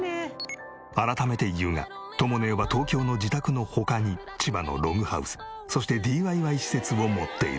改めて言うがとも姉は東京の自宅の他に千葉のログハウスそしてＤＩＹ施設を持っている。